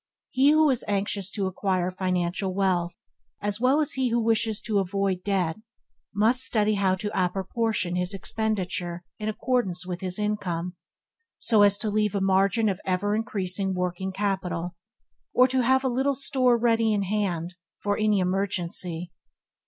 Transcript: He who is anxious to acquire financial wealth as well as he who wishes to avoid debt – must study how to apportion, his expenditure in accordance with his income, so as to leave a margin of ever increasing working capital, or to have a little store ready in hand for any emergency.